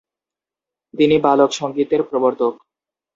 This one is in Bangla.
তিনি ‘বালক সঙ্গীতে’র প্রবর্তক।